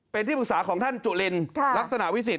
เป็นที่ปรึกษาของท่านจุลินลักษณะวิสิท